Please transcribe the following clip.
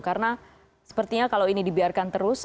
karena sepertinya kalau ini dibiarkan terus